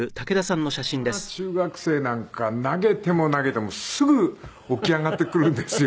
まあ中学生なんか投げても投げてもすぐ起き上がってくるんですよ。